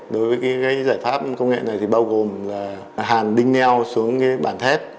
đối với giải pháp công nghệ này thì bao gồm là hàn đinh neo xuống cái bản thép